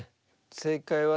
正解はね